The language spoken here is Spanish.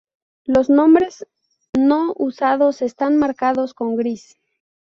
Los nombres no usados están marcados con gris.